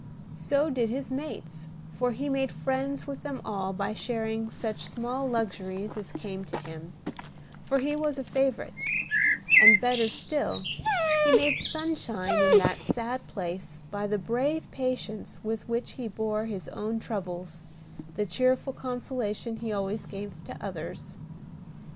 So did his mates, for he made friends with them all by sharing such small luxuries as came to him, for he was a favorite; and, better still, he made sunshine in that sad place by the brave patience with which he bore his own troubles, the cheerful consolation he always gave to others.